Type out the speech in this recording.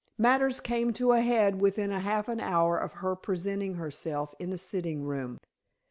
Matters came to a head within half an hour of her presenting herself in the sitting room.